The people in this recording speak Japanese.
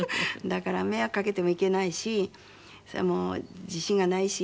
だから迷惑かけてもいけないし自信がないし。